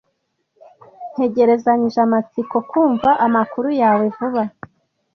Ntegerezanyije amatsiko kumva amakuru yawe vuba.